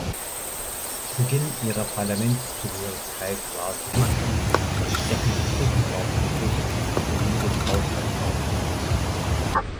Zu Beginn ihrer Parlamentszugehörigkeit war sie Mitglied des Rechnungsprüfungsausschusses sowie des Haushaltsausschusses.